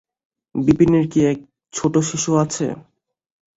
বিপিনের কি এক ছোট শিশু আছে?